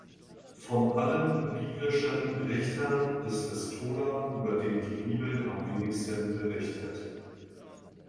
Von allen biblischen Richtern ist es Tola, über den die Bibel am wenigsten berichtet.